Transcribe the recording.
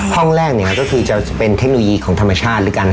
ห้องแรกเนี่ยก็คือจะเป็นเทคโนโลยีของธรรมชาติแล้วกัน